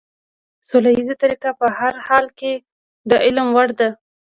سوله ييزه طريقه په هر حال کې د عمل وړ ده.